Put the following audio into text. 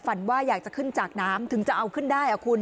ว่าอยากจะขึ้นจากน้ำถึงจะเอาขึ้นได้คุณ